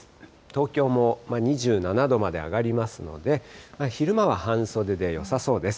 東京も２７度まで上がりますので、昼間は半袖でよさそうです。